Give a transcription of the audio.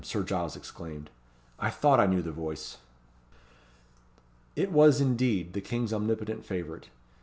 Sir Giles exclaimed. "I thought I knew the voice." It was, indeed, the King's omnipotent favourite.